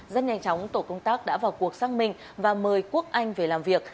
rất nhanh chóng tổ công tác đã vào cuộc xác minh và mời quốc anh về làm việc